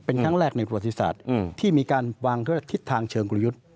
เป็นครั้งแรกในประศาสตร์ที่มีการวางที่ว่าทิศทางเชิงกุรยุทธ์